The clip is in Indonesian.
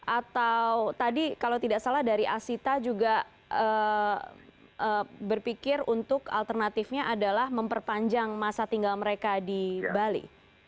atau tadi kalau tidak salah dari asita juga berpikir untuk alternatifnya adalah memperpanjang masa tinggal mereka di bali